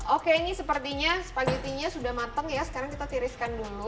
oke ini sepertinya spaghettinya sudah matang ya sekarang kita tiriskan dulu